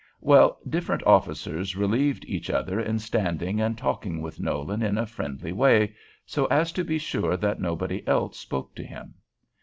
Well, different officers relieved each other in standing and talking with Nolan in a friendly way, so as to be sure that nobody else spoke to him.